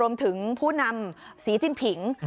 รวมถึงผู้นำสีจิ้นผิง